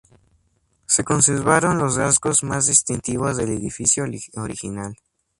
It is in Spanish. Se conservaron los rasgos más distintivos del edificio original.